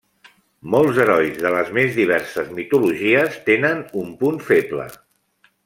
Molts herois de les més diverses mitologies tenen un punt feble.